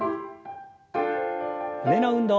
胸の運動。